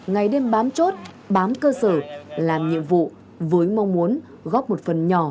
ngày đêm bám chốt bám cơ sở làm nhiệm vụ với mong muốn góp một phần nhỏ